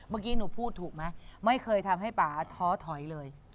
เมื่อกี้หนูพูดถูกไหมไม่เคยทำให้ป่าท้อถอยเลย